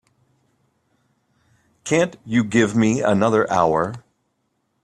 Can't you give me another hour?